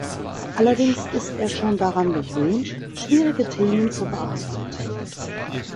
Allerdings ist er schon daran gewöhnt, schwierige Themen zu bearbeiten.